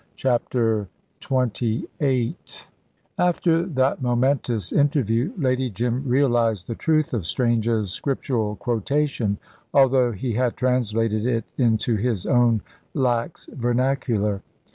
CHAPTER XXVIII After that momentous interview Lady Jim realised the truth of Strange's scriptural quotation, although he had translated it into his own lax vernacular.